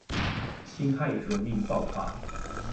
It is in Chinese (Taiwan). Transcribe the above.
辛亥革命爆發